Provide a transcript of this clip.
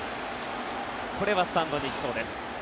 これはスタンドに行きそうです。